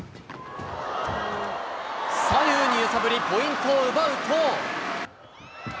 左右に揺さぶり、ポイントを奪うと。